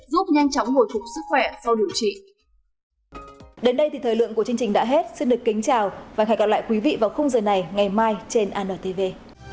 giúp nhanh chóng hồi phục sức khỏe sau điều trị